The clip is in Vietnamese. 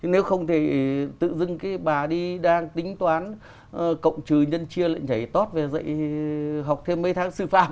nếu không thì tự dưng cái bà đi đang tính toán cộng trừ nhân chia lại nhảy tốt và dạy học thêm mấy tháng sư phạm